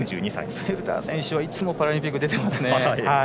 フェルダー選手はいつもパラリンピック出てますね。